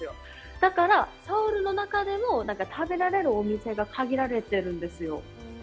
だから、ソウルの中でも食べられるお店が限られてるんですよ。